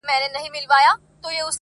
او جارچي به په هغه گړي اعلان كړ!!